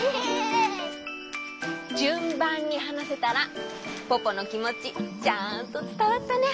じゅんばんにはなせたらポポのきもちちゃんとつたわったね！